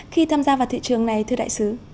khi tham gia vào thị trường này thưa đại sứ